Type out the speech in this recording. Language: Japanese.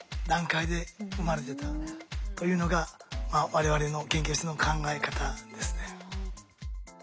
段階で生まれてたというのが我々の研究室の考え方ですね。